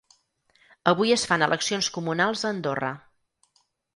Avui es fan eleccions comunals a Andorra.